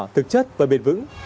thực chất và bền vững